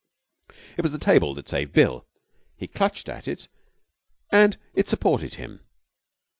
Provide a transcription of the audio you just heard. It was the table that saved Bill. He clutched at it and it supported him.